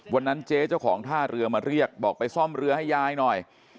เจ๊เจ้าของท่าเรือมาเรียกบอกไปซ่อมเรือให้ยายหน่อย